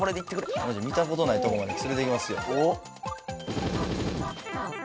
マジ見た事ないとこまで連れて行きますよ。